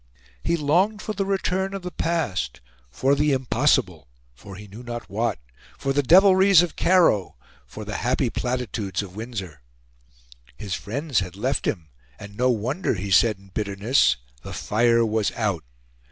He longed for the return of the past, for the impossible, for he knew not what, for the devilries of Caro, for the happy platitudes of Windsor. His friends had left him, and no wonder, he said in bitterness the fire was out.